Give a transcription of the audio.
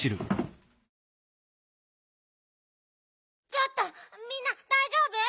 ちょっとみんなだいじょうぶ？